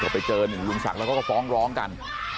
ไปเจอหนึ่งลุงศักดิ์แล้วเขาก็ฟ้องร้องกัน